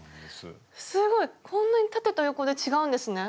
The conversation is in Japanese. すごいこんなに縦と横で違うんですね。